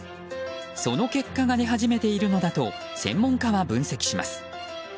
その結果が出始めているのだと専門家は分析します。